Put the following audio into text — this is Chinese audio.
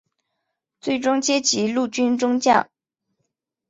最终阶级陆军中将。